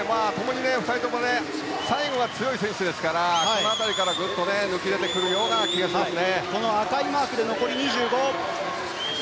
２人とも最後が強い選手ですからこの辺りから、グッと抜き出てくるような気がします。